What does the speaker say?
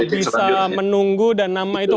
bisa menunggu dan nama itu